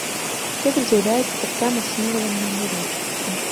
Кедр з'яўляецца таксама сімвалам неўміручасці.